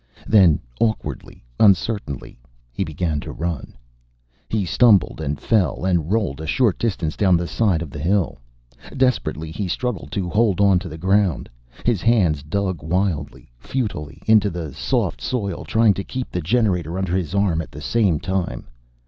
Then, awkwardly, uncertainly, he began to run. He stumbled and fell and rolled a short distance down the side of the hill. Desperately, he struggled to hold onto the ground. His hands dug wildly, futilely, into the soft soil, trying to keep the generator under his arm at the same time.